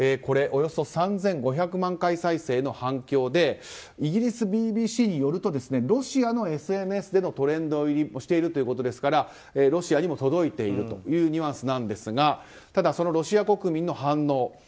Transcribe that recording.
およそ３５００万回再生の反響で、イギリスＢＢＣによるとロシアのＳＮＳでのトレンド入りもしているということですからロシアにも届いているというニュアンスなんですがただロシア国民の反応。